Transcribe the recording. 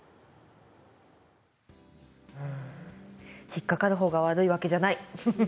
引っ掛かるほうが悪いわけじゃない。